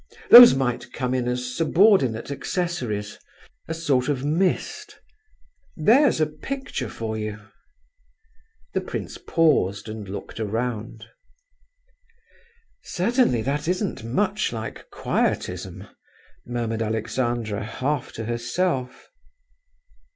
Those might come in as subordinate accessories—a sort of mist. There's a picture for you." The prince paused, and looked around. "Certainly that isn't much like quietism," murmured Alexandra, half to herself.